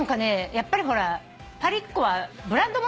やっぱりほらパリっ子はブランド物